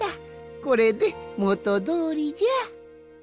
これでもとどおりじゃ。